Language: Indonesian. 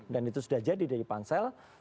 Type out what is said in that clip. dan itu sudah jadi dari pansal